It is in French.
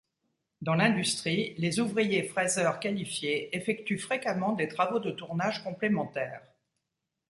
Dans l'industrie, les ouvriers fraiseurs qualifiés effectuent fréquemment des travaux de tournage complémentaires.